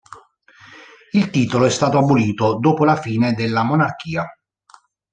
Il titolo è stato abolito dopo la fine della monarchia.